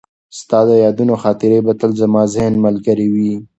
ستا د یادونو خاطرې به تل زما د ذهن ملګرې وي.